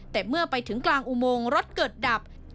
แต่เมื่อไปถึงกลางอุโมงรถเกิดดับ